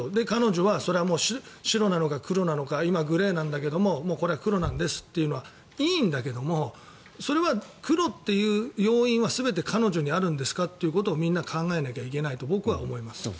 彼女は白なのか黒なのか今グレーなんだけどもこれは黒なんですというのはいいんだけどもそれは黒という要因は全て彼女にあるんですかということをみんな考えなきゃいけないと僕は思います。